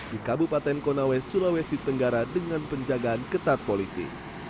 di kabupaten konawe sulawesi tenggara dengan penjagaan ketat polisi